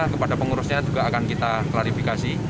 kepada pengurusnya juga akan kita klarifikasi